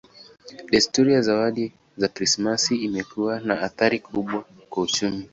Desturi ya zawadi za Krismasi imekuwa na athari kubwa kwa uchumi.